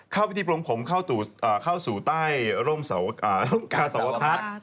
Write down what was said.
เข้าพิธีปลงผมเข้าสู่ใต้ร่มกาสวพัฒน์